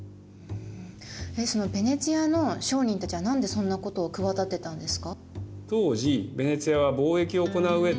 ヴェネツィアの商人たちは何でそんなことを企てたんですか？